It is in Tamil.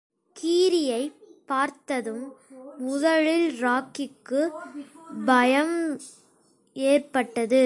கீரியைப் பார்த்ததும் முதலில் ராகிக்கு, பயம் ஏற்பட்டது.